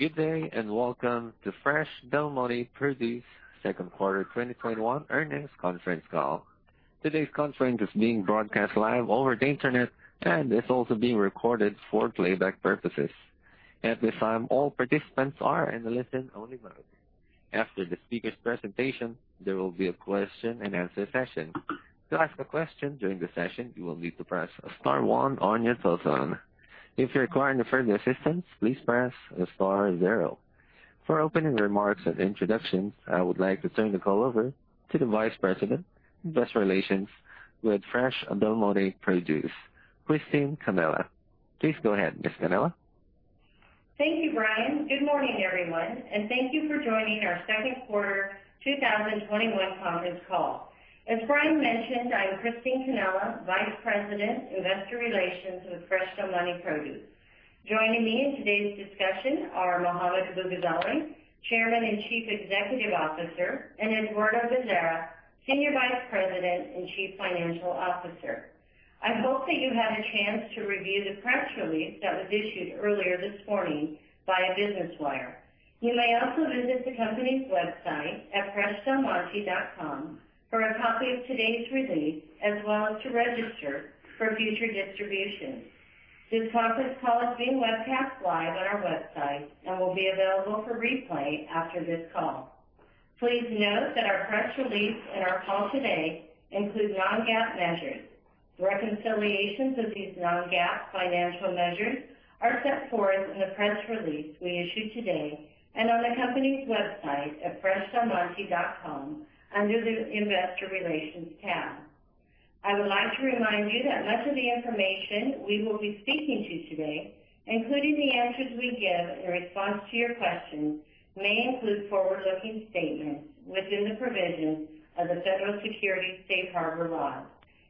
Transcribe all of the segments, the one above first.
Good day, and welcome to Fresh Del Monte Produce Second Quarter 2021 Earnings Conference Call. Todays conference is being broadcast live over the internet and is also being recorded for playback purposes. At this time all participants are on a listen only mode, after the speaker's presentation there will be a question and answer session .To ask a question during the session you will need to press star one on your telephone, if you require further assistance press star zero. For opening remarks and introductions, I would like to turn the call over to the Vice President, Investor Relations with Fresh Del Monte Produce, Christine Cannella. Please go ahead, Ms. Cannella. Thank you, Brian. Good morning, everyone, and thank you for joining our second quarter 2021 conference call. As Brian mentioned, I'm Christine Cannella, Vice President, Investor Relations with Fresh Del Monte Produce. Joining me in today's discussion are Mohammad Abu-Ghazaleh, Chairman and Chief Executive Officer, and Eduardo Bezerra, Senior Vice President and Chief Financial Officer. I hope that you had a chance to review the press release that was issued earlier this morning via Business Wire. You may also visit the company's website at freshdelmonte.com for a copy of today's release, as well as to register for future distributions. This conference call is being webcast live on our website and will be available for replay after this call. Please note that our press release and our call today include non-GAAP measures. Reconciliations of these non-GAAP financial measures are set forth in the press release we issued today and on the company's website at freshdelmonte.com under the Investor Relations tab. I would like to remind you that much of the information we will be speaking to today, including the answers we give in response to your questions, may include forward-looking statements within the provisions of the Federal Securities Safe Harbor.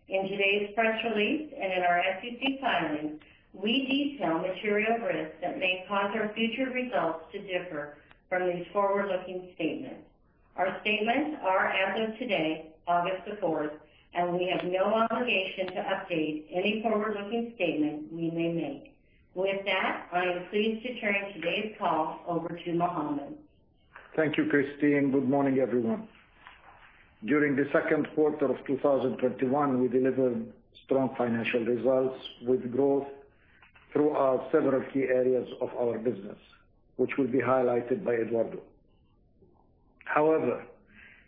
In today's press release and in our SEC filings, we detail material risks that may cause our future results to differ from these forward-looking statements. Our statements are as of today, August 4, and we have no obligation to update any forward-looking statement we may make. With that, I am pleased to turn today's call over to Mohammad. Thank you, Christine. Good morning, everyone. During the second quarter of 2021, we delivered strong financial results with growth throughout several key areas of our business, which will be highlighted by Eduardo. However,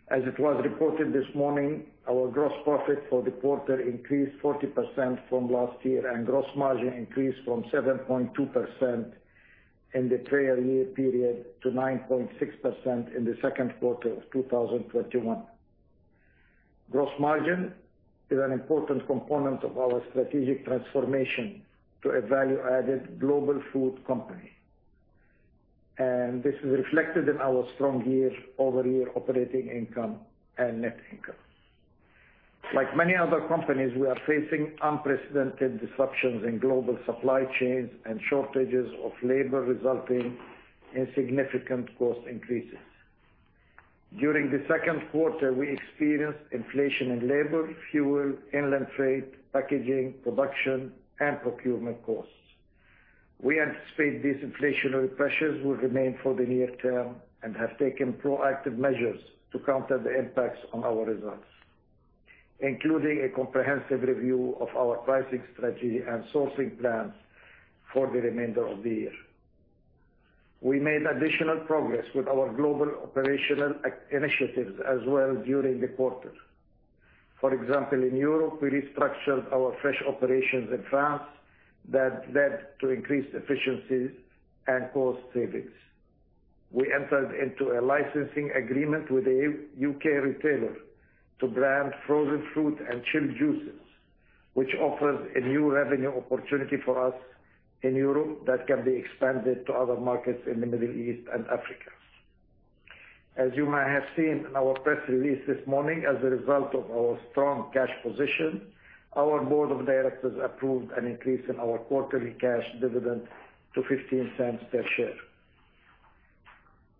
as it was reported this morning, our gross profit for the quarter increased 40% from last year and gross margin increased from 7.2% in the prior year period to 9.6% in the second quarter of 2021. This is reflected in our strong year-over-year operating income and net income. Like many other companies, we are facing unprecedented disruptions in global supply chains and shortages of labor, resulting in significant cost increases. During the second quarter, we experienced inflation in labor, fuel, inland freight, packaging, production, and procurement costs. We anticipate these inflationary pressures will remain for the near-term and have taken proactive measures to counter the impacts on our results, including a comprehensive review of our pricing strategy and sourcing plans for the remainder of the year. We made additional progress with our global operational initiatives as well during the quarter. For example, in Europe, we restructured our fresh operations in France that led to increased efficiencies and cost savings. We entered into a licensing agreement with a U.K. retailer to brand frozen fruit and chilled juices, which offers a new revenue opportunity for us in Europe that can be expanded to other markets in the Middle East and Africa. As you may have seen in our press release this morning, as a result of our strong cash position, our board of directors approved an increase in our quarterly cash dividend to $0.15 per share.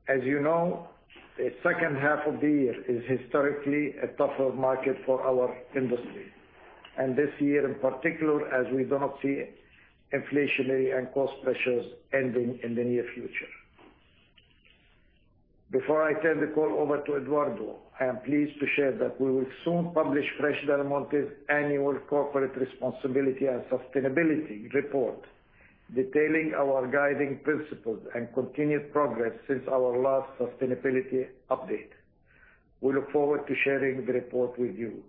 As you know, the second half of the year is historically a tougher market for our industry, and this year in particular, as we do not see inflationary and cost pressures ending in the near future. Before I turn the call over to Eduardo, I am pleased to share that we will soon publish Fresh Del Monte's Annual Corporate Responsibility and Sustainability Report, detailing our guiding principles and continued progress since our last sustainability update. We look forward to sharing the report with you.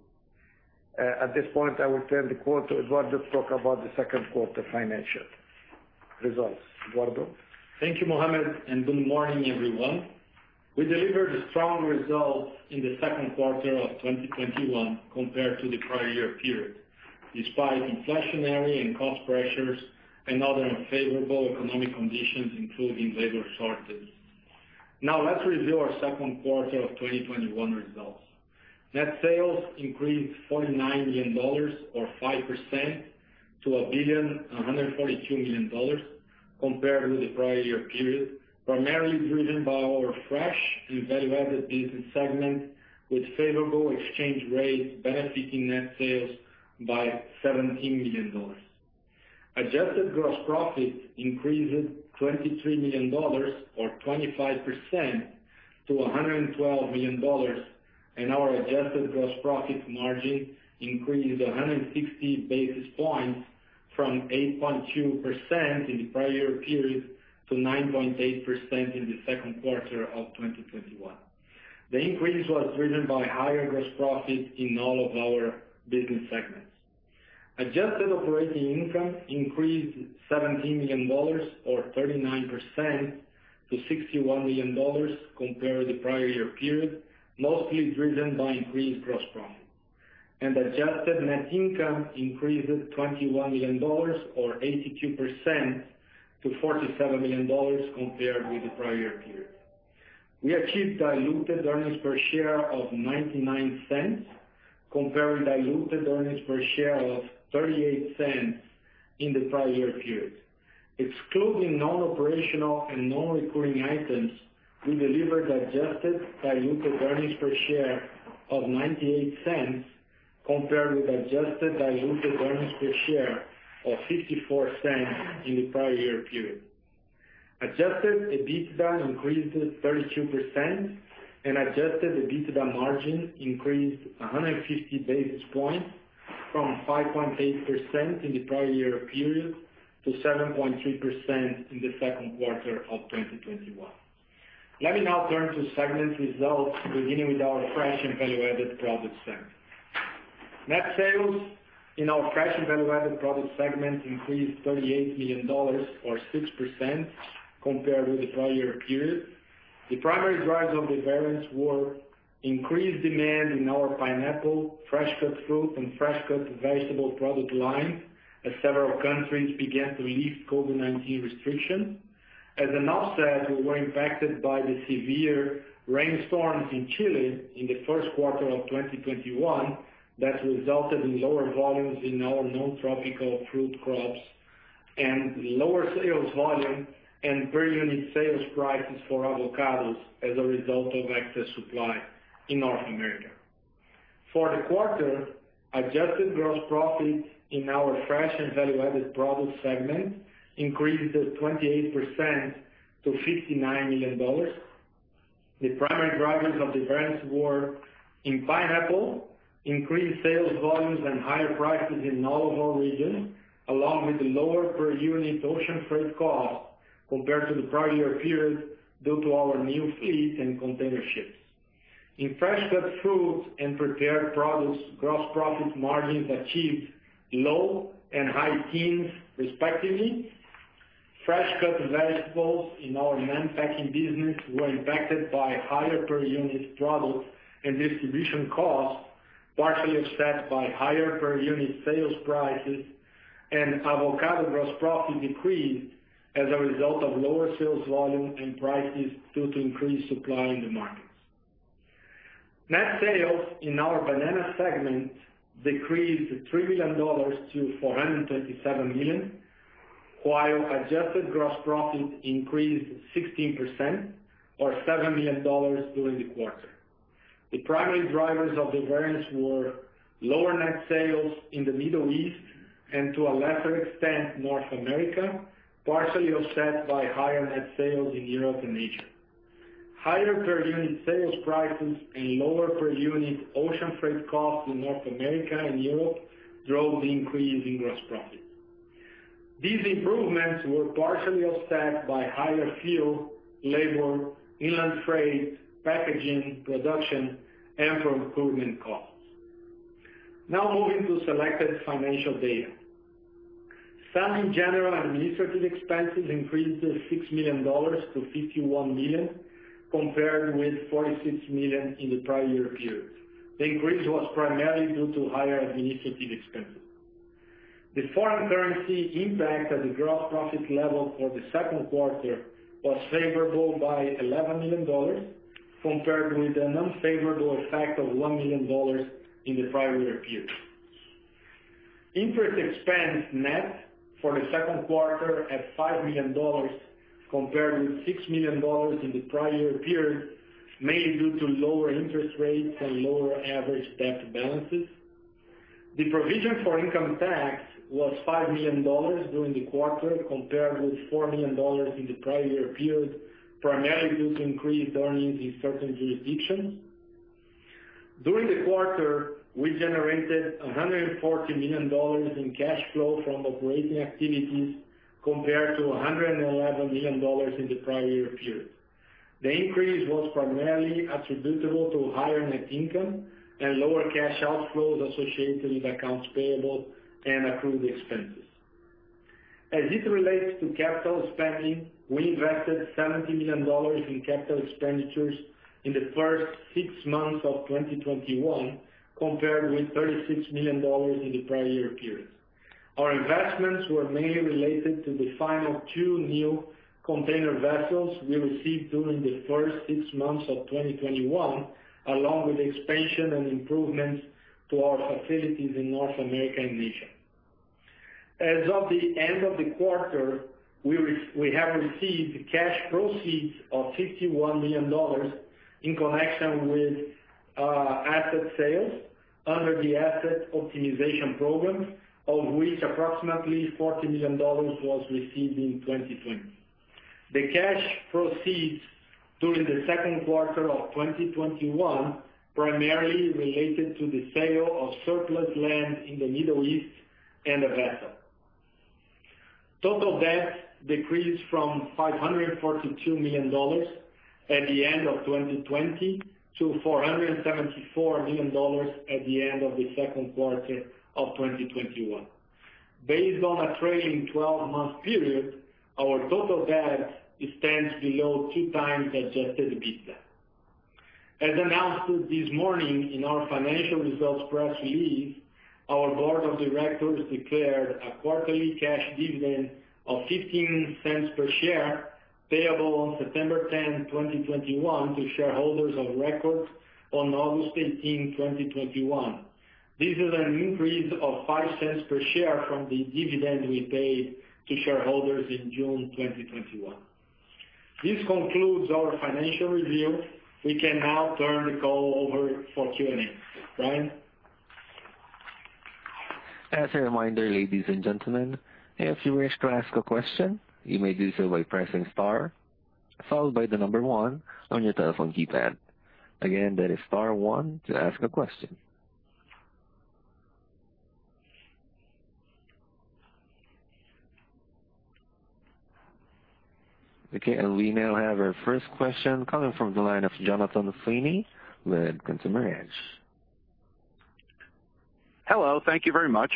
At this point, I will turn the call to Eduardo to talk about the second quarter financial results. Eduardo? Thank you, Mohammad, and good morning, everyone. We delivered strong results in the second quarter of 2021 compared to the prior year period, despite inflationary and cost pressures and other unfavorable economic conditions, including labor shortages. Now let's review our second quarter of 2021 results. Net sales increased $49 million or 5% to $1.142 billion compared with the prior year period, primarily driven by our Fresh and Value-Added business segment, with favorable exchange rates benefiting net sales by $17 million. Adjusted gross profit increased $23 million or 25% to $112 million, and our adjusted gross profit margin increased 160 basis points from 8.2% in the prior year period to 9.8% in the second quarter of 2021. The increase was driven by higher gross profit in all of our business segments. Adjusted operating income increased $17 million or 39% to $61 million compared to the prior year period, mostly driven by increased gross profit. Adjusted net income increased $21 million or 82% to $47 million compared with the prior year. We achieved diluted earnings per share of $0.99 compared with diluted earnings per share of $0.38 in the prior year period. Excluding non-operational and non-recurring items, we delivered adjusted diluted earnings per share of $0.98 compared with adjusted diluted earnings per share of $0.54 in the prior year period. Adjusted EBITDA increased 32%, and adjusted EBITDA margin increased 150 basis points from 5.8% in the prior year period to 7.3% in the second quarter of 2021. Let me now turn to segment results, beginning with our fresh and value-added products segment. Net sales in our Fresh and Value-Added Products segment increased $38 million or 6% compared with the prior year period. The primary drivers of the variance were increased demand in our pineapple, fresh cut fruit, and fresh cut vegetable product line as several countries began to lift COVID-19 restrictions. As an offset, we were impacted by the severe rainstorms in Chile in the first quarter of 2021 that resulted in lower volumes in our non-tropical fruit crops and lower sales volume and per unit sales prices for avocados as a result of excess supply in North America. For the quarter, adjusted gross profit in our Fresh and Value-Added Products segment increased 28% to $59 million. The primary drivers of the variance were in pineapple, increased sales volumes and higher prices in all of our regions, along with lower per unit ocean freight costs compared to the prior year period due to our new fleet and container ships. In fresh cut fruit and prepared products, gross profit margins achieved low and high teens respectively. Fresh cut vegetables in our manufacturing business were impacted by higher per unit product and distribution costs, partially offset by higher per unit sales prices and avocado gross profit decreased as a result of lower sales volume and prices due to increased supply in the markets. Net sales in our bananas segment decreased $3 million to $427 million, while adjusted gross profit increased 16% or $7 million during the quarter. The primary drivers of the variance were lower net sales in the Middle East and to a lesser extent, North America, partially offset by higher net sales in Europe and Asia. Higher per unit sales prices and lower per unit ocean freight costs in North America and Europe drove the increase in gross profit. These improvements were partially offset by higher fuel, labor, inland freight, packaging, production, and fruit cooling costs. Now moving to selected financial data. Selling, general, and administrative expenses increased to $6 million to $51 million compared with $46 million in the prior year period. The increase was primarily due to higher administrative expenses. The foreign currency impact at the gross profit level for the second quarter was favorable by $11 million compared with an unfavorable effect of $1 million in the prior year period. Interest expense net for the second quarter at $5 million compared with $6 million in the prior year period, mainly due to lower interest rates and lower average debt balances. The provision for income tax was $5 million during the quarter compared with $4 million in the prior year period, primarily due to increased earnings in certain jurisdictions. During the quarter, we generated $140 million in cash flow from operating activities compared to $111 million in the prior year period. The increase was primarily attributable to higher net income and lower cash outflows associated with accounts payable and accrued expenses. As it relates to capital spending, we invested $70 million in capital expenditures in the first six months of 2021 compared with $36 million in the prior year period. Our investments were mainly related to the final two new container vessels we received during the first six months of 2021, along with expansion and improvements to our facilities in North America and Asia. As of the end of the quarter, we have received cash proceeds of $51 million in connection with asset sales under the asset optimization program, of which approximately $40 million was received in 2020. The cash proceeds during the second quarter of 2021 primarily related to the sale of surplus land in the Middle East and a vessel. Total debt decreased from $542 million at the end of 2020 to $474 million at the end of the second quarter of 2021. Based on a trailing 12-month period, our total debt stands below 2x adjusted EBITDA. As announced this morning in our financial results press release, our board of directors declared a quarterly cash dividend of $0.15 per share, payable on September 10, 2021, to shareholders of record on August 18, 2021. This is an increase of $0.05 per share from the dividend we paid to shareholders in June 2021. This concludes our financial review. We can now turn the call over for Q&A. Brian? As a reminder, ladies and gentlemen, if you wish to ask a question, you may do so by pressing star, followed by the number one on your telephone keypad. Again, that is star one to ask a question. Okay, we now have our first question coming from the line of Jonathan Feeney, with Consumer Edge. Hello, thank you very much.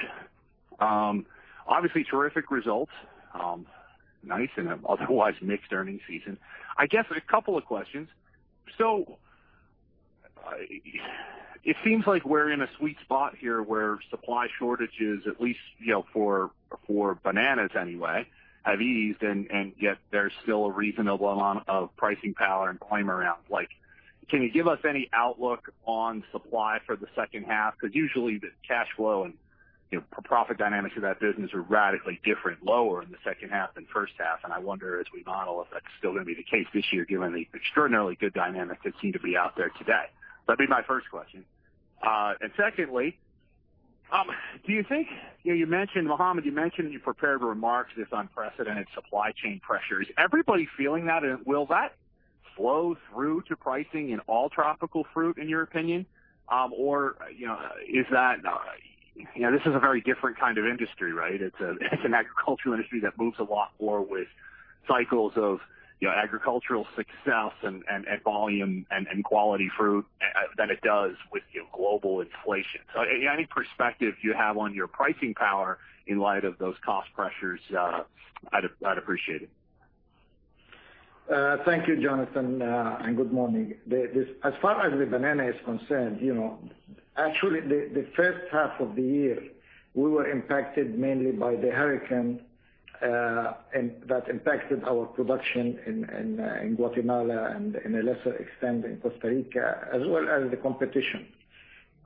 Obviously terrific results. Nice in an otherwise mixed earnings season. I guess couple of questions. It seems like we're in a sweet spot here where supply shortages, at least for bananas anyway, have eased and yet there's still a reasonable amount of pricing power and claim around. Can you give us any outlook on supply for the second half? Usually the cash flow and profit dynamics of that business are radically different, lower in the second half than first half, and I wonder as we model if that's still going to be the case this year given the extraordinarily good dynamics that seem to be out there today. That'd be my first question. Secondly, Mohammad, you mentioned in your prepared remarks this unprecedented supply chain pressure. Is everybody feeling that? Will that flow through to pricing in all tropical fruit, in your opinion? This is a very different kind of industry, right? It's an agricultural industry that moves a lot more with cycles of agricultural success and volume and quality fruit than it does with global inflation. Any perspective you have on your pricing power in light of those cost pressures, I'd appreciate it. Thank you, Jonathan, and good morning. As far as the banana is concerned, actually the first half of the year, we were impacted mainly by the hurricane that impacted our production in Guatemala and in a lesser extent in Costa Rica, as well as the competition.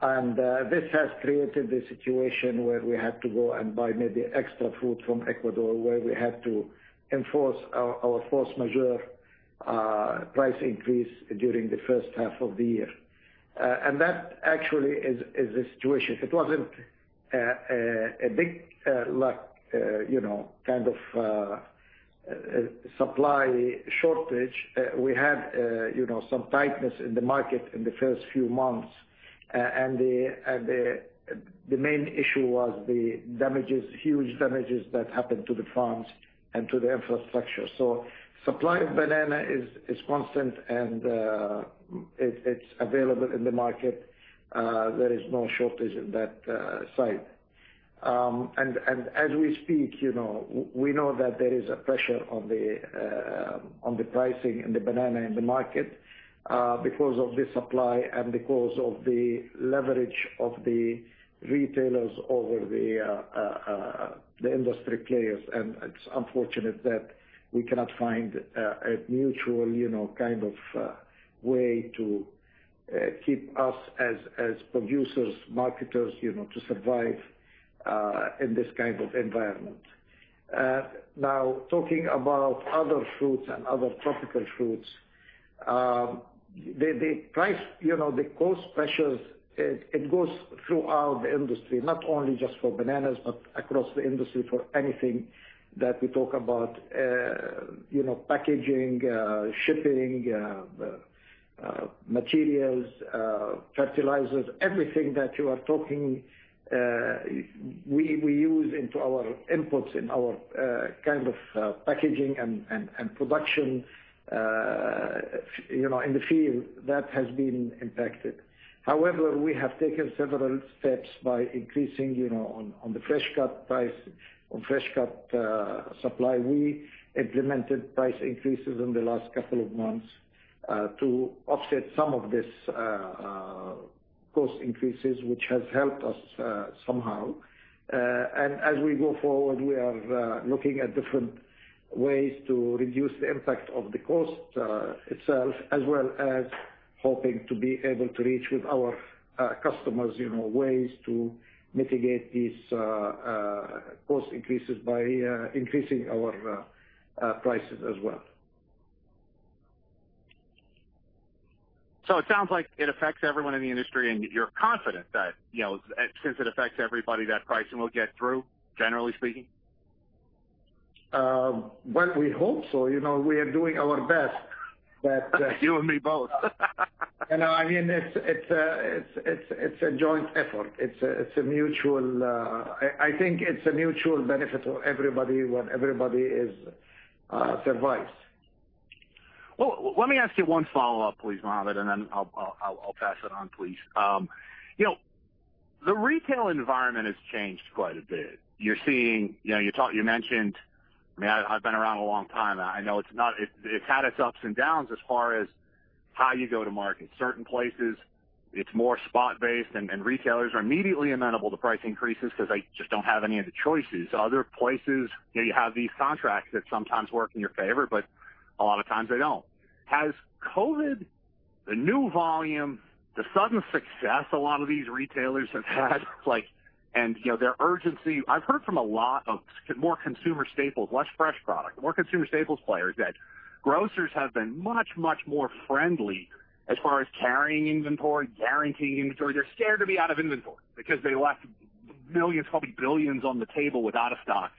This has created a situation where we had to go and buy maybe extra fruit from Ecuador, where we had to enforce our force majeure price increase during the first half of the year. That actually is the situation. It wasn't a big lack kind of supply shortage. We had some tightness in the market in the first few months, and the main issue was the huge damages that happened to the farms and to the infrastructure. Supply of banana is constant and it's available in the market. There is no shortage in that side. As we speak, we know that there is a pressure on the pricing and the banana in the market because of the supply and because of the leverage of the retailers over the industry players. It's unfortunate that we cannot find a mutual kind of way to keep us as producers, marketers to survive in this kind of environment. Now, talking about other fruits and other tropical fruits. The cost pressures, it goes throughout the industry, not only just for bananas, but across the industry for anything that we talk about. Packaging, shipping, materials, fertilizers, everything that you are talking, we use into our inputs in our kind of packaging and production in the field. That has been impacted. However, we have taken several steps by increasing on the fresh cut price. On fresh cut supply, we implemented price increases in the last couple of months to offset some of this cost increases, which has helped us somehow. As we go forward, we are looking at different ways to reduce the impact of the cost itself, as well as hoping to be able to reach with our customers ways to mitigate these cost increases by increasing our prices as well. It sounds like it affects everyone in the industry, and you're confident that since it affects everybody, that pricing will get through, generally speaking? Well, we hope so. We are doing our best. You and me both. I mean, it's a joint effort. I think it's a mutual benefit to everybody when everybody is survives. Well, let me ask you one follow-up please, Mohammad, and then I'll pass it on, please. The retail environment has changed quite a bit. I've been around a long time. I know it's had its ups and downs as far as how you go to market. Certain places, it's more spot-based, and retailers are immediately amenable to price increases because they just don't have any of the choices. Other places, you have these contracts that sometimes work in your favor, but a lot of times they don't. Has COVID, the new volume, the sudden success a lot of these retailers have had, and their urgency? I've heard from a lot of more consumer staples, less fresh product, more consumer staples players, that grocers have been much more friendly as far as carrying inventory, guaranteeing inventory. They're scared to be out of inventory because they left millions, probably billions, on the table with out of stocks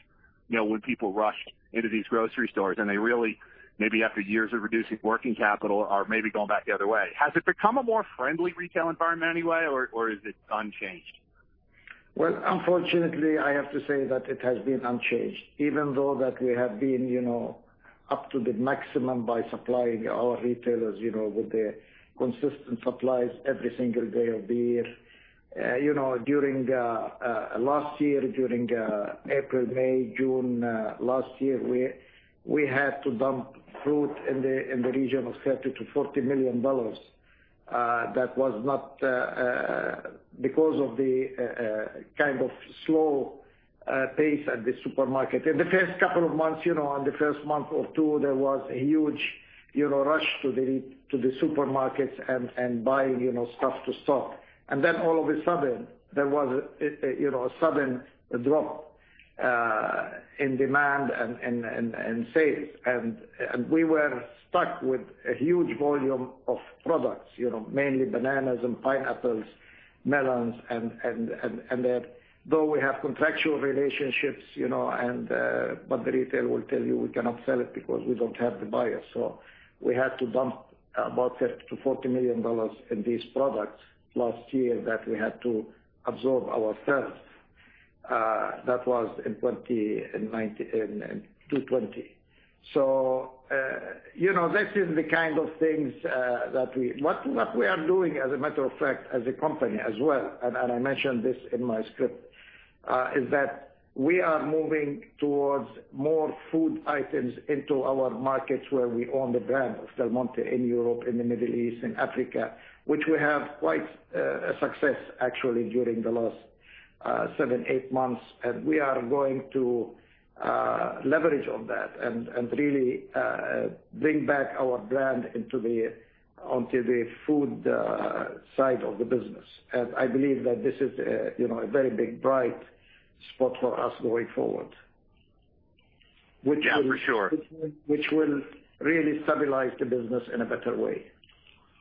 when people rushed into these grocery stores, and they really, maybe after years of reducing working capital, are maybe going back the other way. Has it become a more friendly retail environment in any way, or is it unchanged? Well, unfortunately, I have to say that it has been unchanged, even though that we have been up to the maximum by supplying our retailers with the consistent supplies every single day of the year. Last year, during April, May, June last year, we had to dump fruit in the region of $30 million-$40 million. That was not because of the kind of slow pace at the supermarket. In the first couple of months, on the first month or two, there was a huge rush to the supermarkets and buying stuff to stock. All of a sudden, there was a sudden drop in demand and sales. We were stuck with a huge volume of products, mainly bananas and pineapples, melons. Though we have contractual relationships, but the retailer will tell you we cannot sell it because we don't have the buyers. We had to dump about $30 million-$40 million in these products last year that we had to absorb ourselves. That was in 2020. What we are doing, as a matter of fact, as a company as well, and I mentioned this in my script, is that we are moving towards more food items into our markets where we own the brand of Del Monte in Europe, in the Middle East, in Africa, which we have quite a success, actually, during the last seven, eight months. We are going to leverage on that and really bring back our brand onto the food side of the business. I believe that this is a very big, bright spot for us the way forward. Yeah, for sure. Which will really stabilize the business in a better way.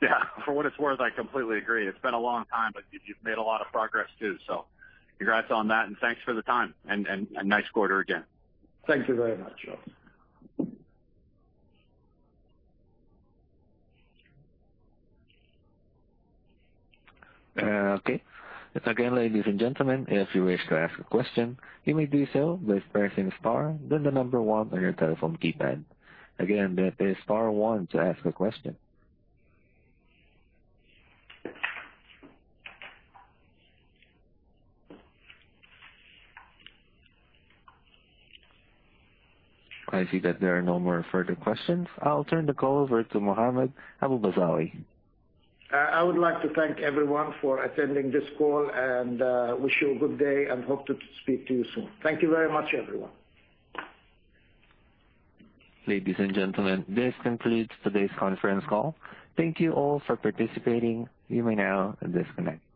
Yeah. For what it's worth, I completely agree. It's been a long time, but you've made a lot of progress, too. Congrats on that and thanks for the time. Nice quarter again. Thank you very much, [Charles]. Okay. Again, ladies and gentlemen, if you wish to ask a question, you may do so by pressing star then the number one on your telephone keypad. Again, that is star one to ask a question. I see that there are no more further questions. I'll turn the call over to Mohammad Abu-Ghazaleh. I would like to thank everyone for attending this call and wish you a good day and hope to speak to you soon. Thank you very much, everyone. Ladies and gentlemen, this concludes today's conference call. Thank you all for participating. You may now disconnect.